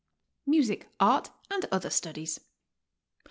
MUSIC, ART, AND OTHER STUDIES.